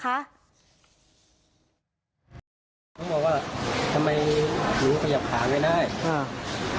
คุณบอกว่าทำไมหนูขยับขาไม่ได้